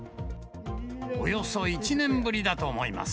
およそ１年ぶりだと思います。